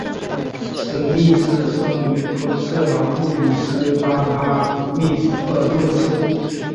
史密斯生于昆士兰布里斯班哈密尔顿市。